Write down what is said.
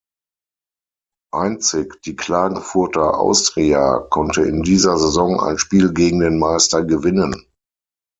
Einzig die Klagenfurter Austria konnte in dieser Saison ein Spiel gegen den Meister gewinnen.